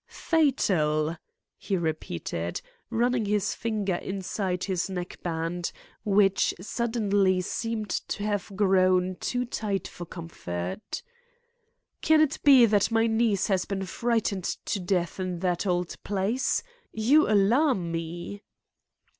"Fatal?" he repeated, running his finger inside his neckband, which suddenly seemed to have grown too tight for comfort. "Can it be that my niece has been frightened to death in that old place? You alarm me."